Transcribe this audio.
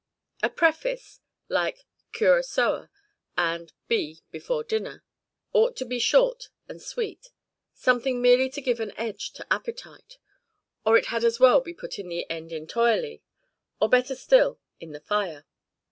A preface, like Curaçoa and B, before dinner, ought to be short and sweet: something merely to give an edge to appetite, or it had as well be put in the "end entoirely," or better still, in the fire.